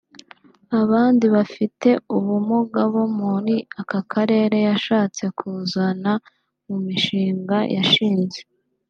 Abandi bafite ubumuga bo muri aka karere yashatse kuzana mu mushinga yashinze